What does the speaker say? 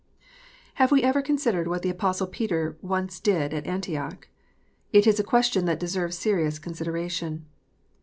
HAVE we ever considered what the Apostle Peter once did at Antioch 1 It is a question that deserves serious consideration.